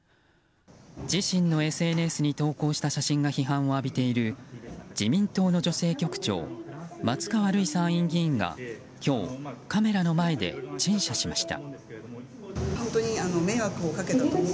自身のＳＮＳに投稿した写真が批判を浴びている自民党の女性局長松川るい参院議員が今日、カメラの前で陳謝しました。